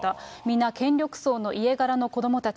皆、権力層の家柄の子どもたち。